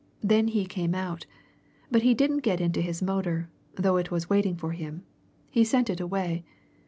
Then he came out. But he didn't get into his motor, though it was waiting for him. He sent it away.